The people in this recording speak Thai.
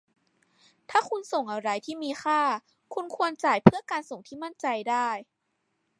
ถ้าคุณส่งอะไรที่มีค่า คุณควรจ่ายเพื่อการส่งที่มั่นใจได้